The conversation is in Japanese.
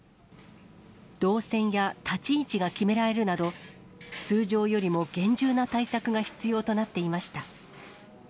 動線や立ち位置が決められるなど、通常よりも厳重な対策が必要となっていました。